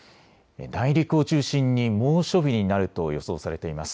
内陸を中心に猛暑日になると予想されています。